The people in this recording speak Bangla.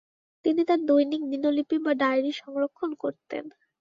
তিনি তার দৈনিক দিনলিপি বা ডায়রী সংরক্ষণ করতেন।